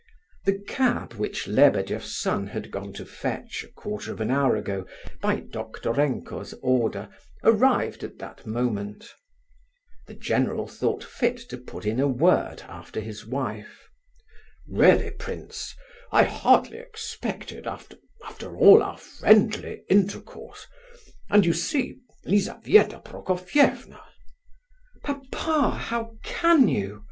The cab which Lebedeff's son had gone to fetch a quarter of an hour ago, by Doktorenko's order, arrived at that moment. The general thought fit to put in a word after his wife. "Really, prince, I hardly expected after—after all our friendly intercourse—and you see, Lizabetha Prokofievna—" "Papa, how can you?"